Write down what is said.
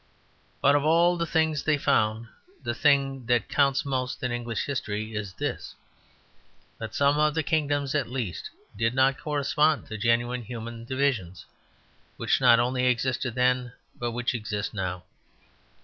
But of all the things they found the thing that counts most in English history is this: that some of the kingdoms at least did correspond to genuine human divisions, which not only existed then but which exist now.